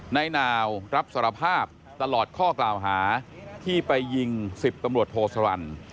นายนาวรับสารภาพตลอดข้อกล่าวหาที่ไปยิง๑๐ตำรวจโทสรรค์